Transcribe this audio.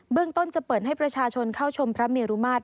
เรื่องต้นจะเปิดให้ประชาชนเข้าชมพระเมรุมาตร